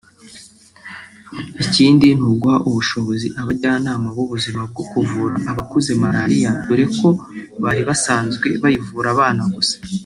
Ikindi ni uguha ubushobozi abajyanama b’ubuzima bwo kuvura abakuze Malaria dore ko bari basanzwe bayivura abana gusa